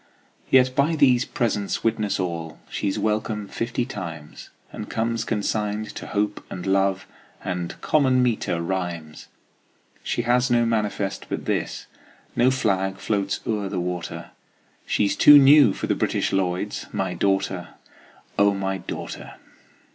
Yet by these presents witness all She's welcome fifty times, And comes consigned to Hope and Love And common meter rhymes. She has no manifest but this, No flag floats o'er the water, She's too new for the British Lloyds My daughter, O my daughter!